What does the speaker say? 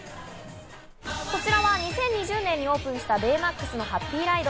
こちらは２０２０年にオープンしたベイマックスのハッピーライド。